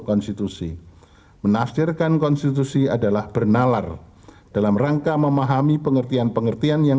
konstitusi menafsirkan konstitusi adalah bernalar dalam rangka memahami pengertian pengertian yang